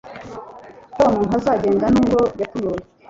Tom ntazagenda nubwo yatumiwe